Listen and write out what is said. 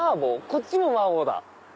こっちも麻婆だ。